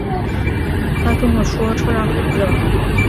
她跟我说车上很热